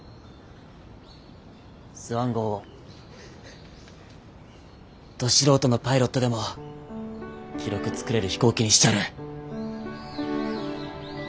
スワン号をど素人のパイロットでも記録作れる飛行機にしちゃる。